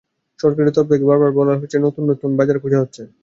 সরকারের তরফ থেকে বারবার বলা হচ্ছে, নতুন নতুন বাজার খোঁজা হচ্ছে।